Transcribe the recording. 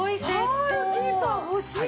パールキーパー欲しい！